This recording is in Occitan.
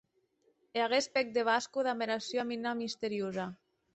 E aguest pèc de Vasco, damb era sua mina misteriosa!